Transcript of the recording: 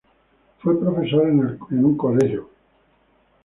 Fue profesor en el Colegio de los Escolapios.